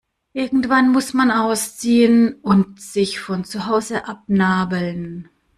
Irgendwann muss man ausziehen und sich von zu Hause abnabeln.